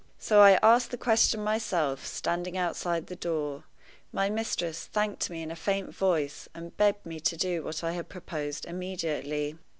So I asked the question myself, standing outside the door. My mistress thanked me in a faint voice, and begged me to do what I had proposed immediately.